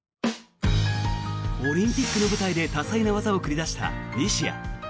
オリンピックの舞台で多彩な技を繰り出した西矢。